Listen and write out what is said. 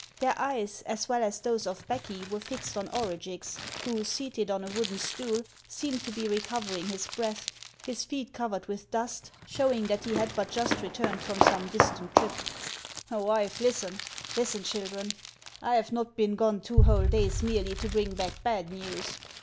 Their eyes, as well as those of Becky were fixed on Orugix, who, seated on a wooden stool, seemed to be recovering his breath, his feet covered with HANS OF ICELAND. 419 dust, showing that he had but just returned from some distant trip. " Wife, listen ; listen, children. I 've not been gone two whole days merely to bring back bad news.